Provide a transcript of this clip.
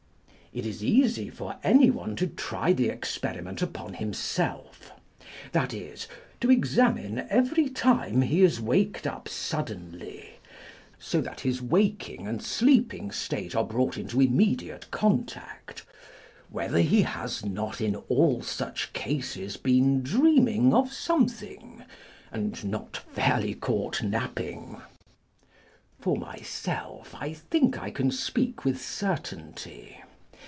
It iai easy for anyone to try the experiment upon himself; that is, to examine every time he is waked up suddenly, so that his waking and sleeping state are brought into immediate contact, whether he has not in all such cases been dream ing of something, and not fairly caught napping. For 26 On Dreams. myself, I think I can speak with certainty.